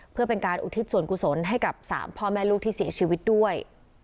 เพื่อเป็นการอุทิศส่วนกุศลให้กับ๓พ่อแม่ลูกที่เสียชีวิตด้วย